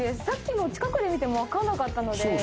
さっきも近くで見ても分かんなかったので。